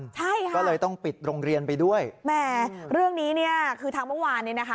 ใช่ค่ะก็เลยต้องปิดโรงเรียนไปด้วยแหมเรื่องนี้เนี่ยคือทางเมื่อวานเนี่ยนะคะ